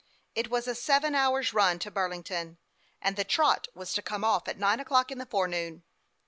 It was a seven hours' run to Burlington, and the " trot " was to come off at nine o'clock in the forenoon.